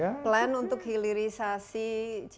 plan untuk hilirisasi ciptaan